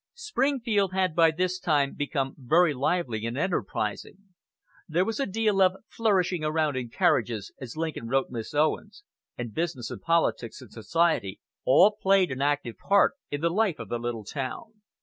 Springfield had by this time become very lively and enterprising. There was a deal of "flourishing around in carriages," as Lincoln wrote Miss Owens, and business and politics and society all played an active part in the life of the little town.